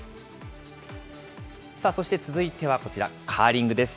そして続いてはこちら、カーリングです。